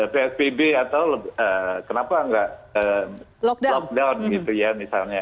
psbb atau kenapa nggak lockdown gitu ya misalnya